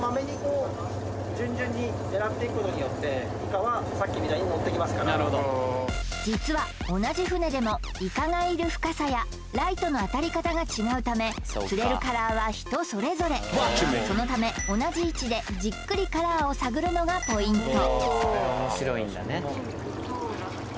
高さが違いますので実は同じ船でもイカがいる深さやライトの当たり方が違うため釣れるカラーは人それぞれそのため同じ位置でじっくりカラーを探るのがポイント